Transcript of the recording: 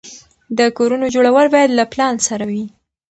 د کورونو جوړول باید له پلان سره وي.